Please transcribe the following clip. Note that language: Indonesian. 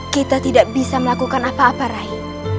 kita tidak bisa melakukan apa apa rahim